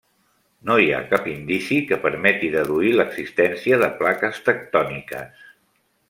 No hi ha cap indici que permeti deduir l'existència de plaques tectòniques.